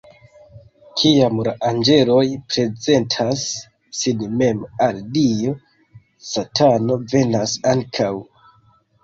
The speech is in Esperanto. Kiam la anĝeloj prezentas sin mem al Dio, Satano venas ankaŭ.